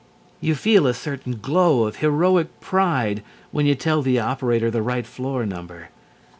You feel a certain glow of heroic pride when you tell the operator the right floor number.